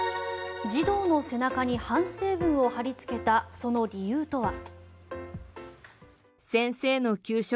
児童の背中に反省文を貼りつけたその理由とは。